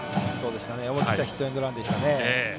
思い切ったヒットエンドランでしたね。